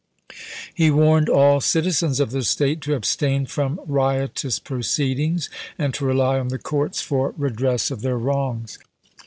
He warned all citizens of the State to abstain from riotous proceedings and to rely on the courts for redress of their wrongs.